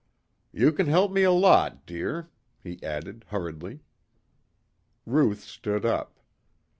"You can help me a lot, dear," he added hurriedly. Ruth stood up.